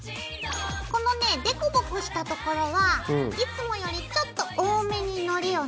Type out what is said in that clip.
このねぇ凸凹したところはいつもよりちょっと多めにのりを塗ろう。